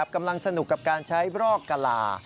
กำลังสนุกกับการใช้บรอกกะลา